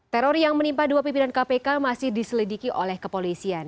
teror yang menimpa dua pimpinan kpk masih diselidiki oleh kepolisian